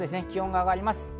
気温が上がります。